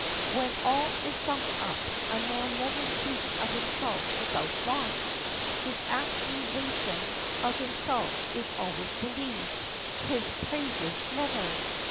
When all is summed up, a man never speaks of himself without loss; his accusation of himself is always believed, his praises never.